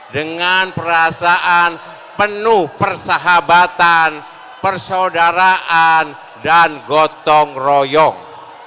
dengan perasaan penuh persahabatan persaudaraan dan gotong royong